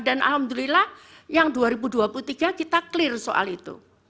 dan alhamdulillah yang dua ribu dua puluh tiga kita clear soal itu